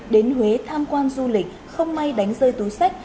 đến huế tham quan du lịch không may đánh rơi túi sách